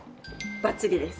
バッチリです。